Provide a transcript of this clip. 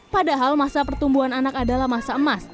padahal masa pertumbuhan anak adalah masa emas